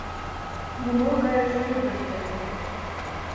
Муно гае шӱргыж дене